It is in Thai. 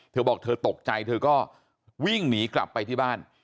เธอบอกเธอตกใจเธอก็วิ่งหนีกลับไปที่บ้าน